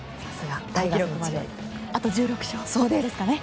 大記録まであと１６勝ですかね。